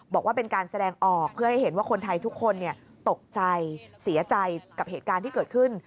บอกว่าเป็นการแสดงออกเพื่อให้เห็นว่าคนไทยทุกคนตกใจเสียใจกับเหตุการณ์ที่เกิดขึ้น